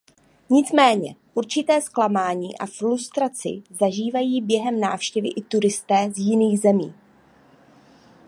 Nicméně určité zklamání a frustraci zažívají během návštěvy i turisté z jiných zemí.